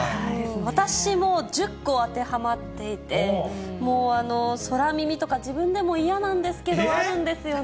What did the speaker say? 私も１０個当てはまっていて、もう空耳とか、自分でも嫌なんですけど、あるんですよね。